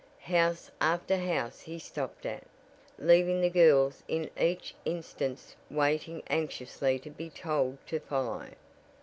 House after house he stopped at, leaving the girls in each instance waiting anxiously to be told to follow.